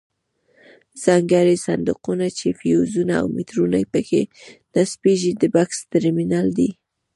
ځانګړي صندوقونه چې فیوزونه او میټرونه پکې نصبیږي د بکس ټرمینل دی.